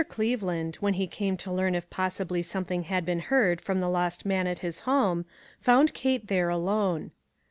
CLEVELAND, when he came to learn if possibly something had been heard from the lost man at his home, found Kate there alone.